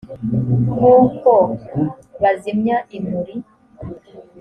nk uko bazimya imuri